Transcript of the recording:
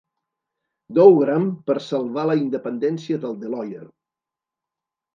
Dougram per salvar la independència del Deloyer!